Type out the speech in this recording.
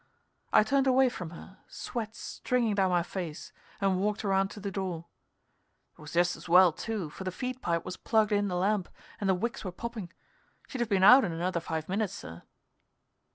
I turned away from her, sweat stringing down my face, and walked around to the door. It was just as well, too, for the feed pipe was plugged in the lamp and the wicks were popping. She'd have been out in another five minutes, sir.